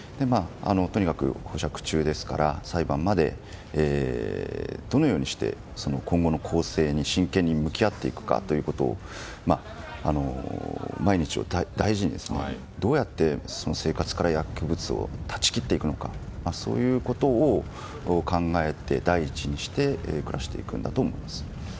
とにかく保釈中ですから裁判まで、どのようにして今後の更生に真剣に向き合っていくかを毎日を大事にどうやってその生活から薬物を断ち切っていくのかそういうことを考えて第一にして暮らしていくんだと思います。